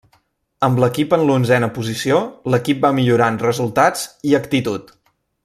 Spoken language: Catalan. Amb l'equip en l'onzena posició, l'equip va millorar en resultats i actitud.